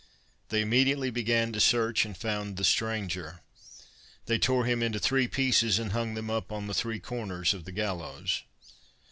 They immediately began to search, and found the stranger. They tore him into three pieces and hung them up on the three corners of the gallows.